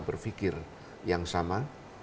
berfikir yang sama